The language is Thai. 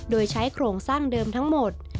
โดยใช้โครงสร้างเดิมทั้งหมด